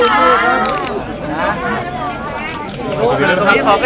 ขอบคุณมากขอบคุณค่ะ